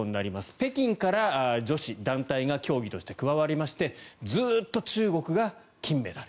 北京から女子団体が競技として加わりましてずっと中国が金メダル。